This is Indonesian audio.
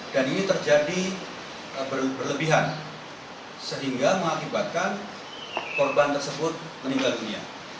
dan ini terjadi berlebihan sehingga mengakibatkan korban tersebut meninggal dunia